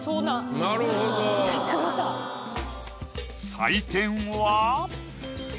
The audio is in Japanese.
採点は。